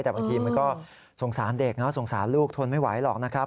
แต่บางทีมันก็สงสารเด็กนะสงสารลูกทนไม่ไหวหรอกนะครับ